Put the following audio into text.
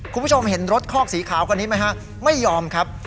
คุณผู้ชมเห็นรถคอกสีขาวคนนี้ไหมฮะไม่ยอมครับ